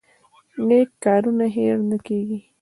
نیک کارونه هیر نه کیږي